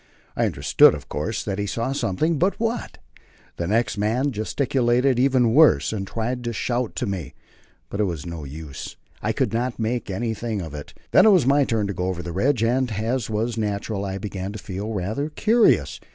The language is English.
I understood, of course, that he saw something, but what? The next man gesticulated even worse, and tried to shout to me. But it was no use; I could not make anything of it. Then it was my turn to go over the ridge, and, as was natural, I began to feel rather curious.